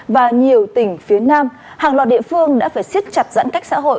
và nhiều tỉnh phía nam hàng loạt địa phương đã phải siết chặt giãn cách xã hội